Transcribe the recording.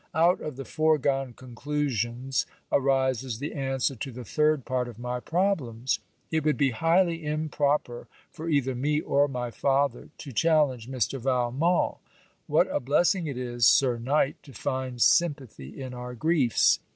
Out of the foregone conclusions arises the answer to the third part of my problems. It would be highly improper for either me or my father to challenge Mr. Valmont. What a blessing it is, Sir Knight, to find sympathy in our griefs!